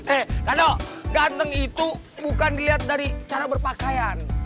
eh ganteng itu bukan diliat dari cara berpakaian